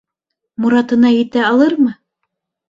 Моратына етә алырмы?